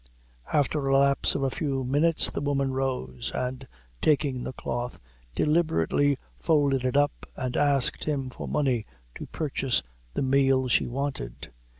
After a lapse of a few minutes, the woman rose, and taking the cloth, deliberately folded it up, and asked him for money to purchase the meal she wanted.